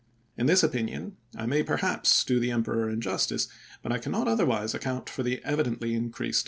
In this opinion I may perhaps do the Emperor injustice, but I can not otherwise account for the evidently increased ms.